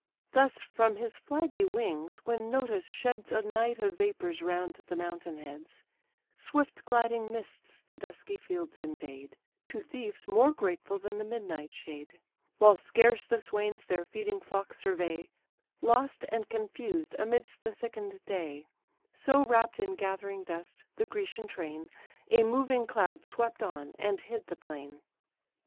Thus from his flaggy wings when Notus sheds A night of vapours round the mountain heads, Swift gliding mists the dusky fields invade, To thieves more grateful than the midnight shade; While scarce the swains their feeding flocks survey, Lost and confused amidst the thicken'd day: So wrapp'd in gathering dust, the Grecian train, A moving cloud, swept on, and hid the plain.